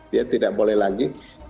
dia tidak boleh lagi